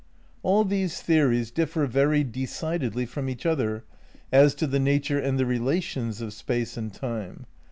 All these theories differ very decidedly from each other as to the nature and the relations of Space and Time.